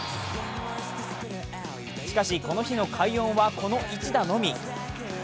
しかし、この日の快音はこの１打のみ。